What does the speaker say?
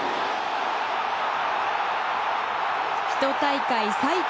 １大会最多